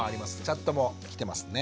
チャットも来てますね。